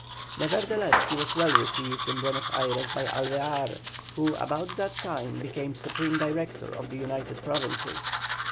Nevertheless he was well received in Buenos Ayres by Alvear, who about that time became Supreme Director of the United Provinces.